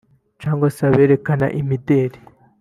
cyangwa se aberekana imideri